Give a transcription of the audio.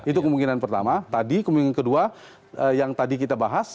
itu kemungkinan pertama tadi kemungkinan kedua yang tadi kita bahas